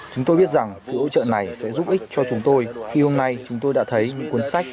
chúng tôi biết rằng sự hỗ trợ này sẽ giúp ích cho chúng tôi khi hôm nay chúng tôi đã thấy những cuốn sách